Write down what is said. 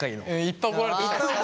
いっぱい怒られてる。